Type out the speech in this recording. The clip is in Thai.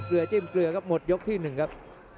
เกลือจิ้มเกลือก็หมดยกที่หนึ่งครับ